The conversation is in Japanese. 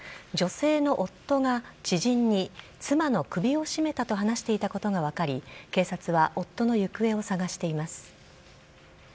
女性の夫が知人に、妻の首を絞めたと話していたことが分かり、警察は夫の行方を捜しています。